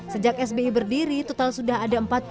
sejak sbi berdiri total sudah ada